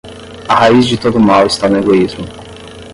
A raiz de todo mal está no egoísmo